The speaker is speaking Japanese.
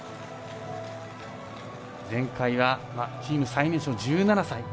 前回はチーム最年少の１７歳。